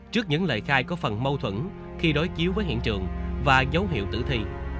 trước những lời khai có phần mâu thuẫn khi đối chiếu với hiện trường và dấu hiệu tử thi